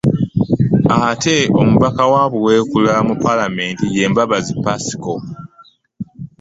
Ate omubaka wa Buweekula mu Palamenti, ye Mbabazi Pascal